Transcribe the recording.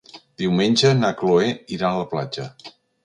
Diumenge na Cloè irà a la platja.